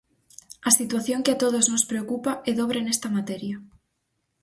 A situación que a todos nos preocupa é dobre nesta materia.